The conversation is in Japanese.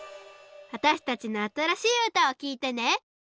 わたしたちのあたらしいうたをきいてね！